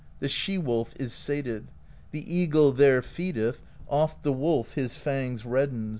The She wolf is sated. The Eagle there feedeth. Oft the wolf his fangs reddens.